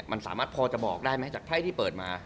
มันสามารถพอจะบอกได้ไหมจากไพ่ที่เปิดมา